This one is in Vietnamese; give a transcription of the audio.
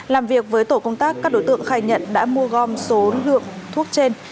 làm việc với tổ công tác các đối tượng khai nhận đã mua gom số lượng thuốc trên